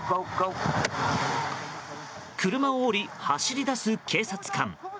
車を降り走り出す警察官。